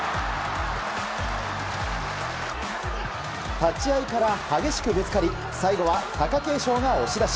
立ち合いから激しくぶつかり最後は貴景勝が押し出し。